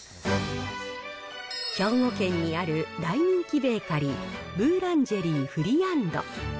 兵庫県にある大人気ベーカリー、ブーランジェリー・フリアンド。